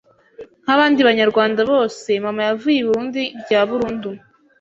nk’abandi banyarwanda bose mama yavuye i Burundi bya burundu